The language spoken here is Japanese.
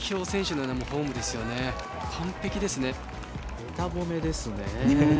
べた褒めですね。